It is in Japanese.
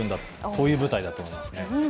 そういう舞台だと思いますね。